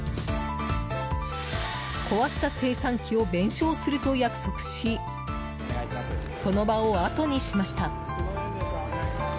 壊した精算機を弁償すると約束しその場をあとにしました。